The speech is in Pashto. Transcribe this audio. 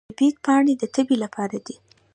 د بید پاڼې د تبې لپاره دي.